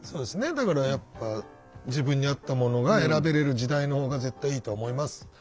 だからやっぱ自分に合ったものが選べれる時代のほうが絶対いいと思います。